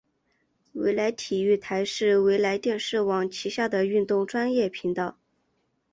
纬来体育台是纬来电视网旗下的运动专业频道。